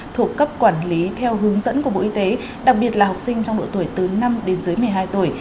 thuộc cấp quản lý theo hướng dẫn của bộ y tế đặc biệt là học sinh trong độ tuổi từ năm đến dưới một mươi hai tuổi